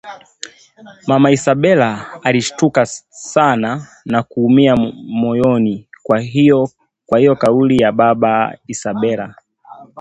Mama Isabela alishtuka sana na kuumia moyoni kwa hio kauli ya baba Isabela